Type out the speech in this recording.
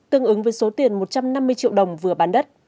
tương ứng với số tiền một trăm năm mươi triệu đồng vừa bán đất